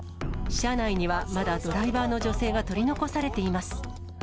車内にはまだドライバーの女性が取り残されています。